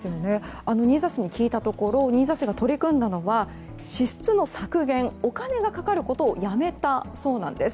新座市に聞いたところ新座市が取り組んだのは支出の削減、お金がかかることをやめたそうなんです。